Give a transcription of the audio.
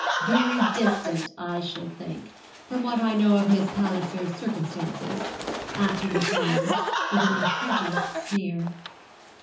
'Very distant, I should think, from what I know of Miss Palliser's circumstances;' answered Miss Rylance, with an incredulous sneer.